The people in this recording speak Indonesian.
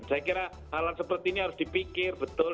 saya kira hal hal seperti ini harus dipikir betul